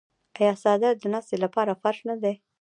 آیا څادر د ناستې لپاره فرش نه دی؟